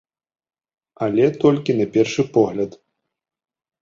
Але толькі на першы погляд.